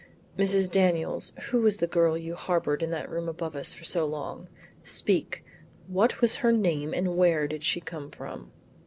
"Mrs. Daniels, who was the girl you harbored in that room above us for so long? Speak; what was her name and where did she come from?"